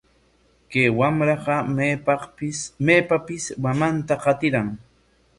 Kay wamraqa maypapis mamanta qatiran.